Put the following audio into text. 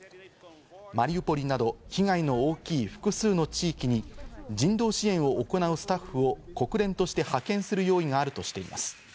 マリウポリなど被害の大きい複数の地域に人道支援を行うスタッフを国連として派遣する用意があるとしています。